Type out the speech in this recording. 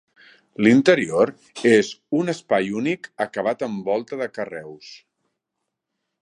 L'interior és un espai únic acabat en volta de carreus.